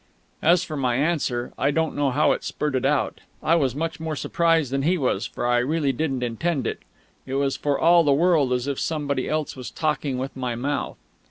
As for my answer, I don't know how it spurted out. I was much more surprised than he was, for I really didn't intend it. It was for all the world as if somebody else was talking with my mouth.